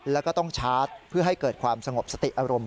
แล้วก็ต้องชาร์จเพื่อให้เกิดความสงบสติอารมณ์